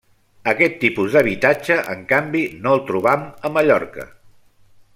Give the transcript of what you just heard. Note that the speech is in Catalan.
Aquest tipus d'habitatge, en canvi, no el trobam a Mallorca.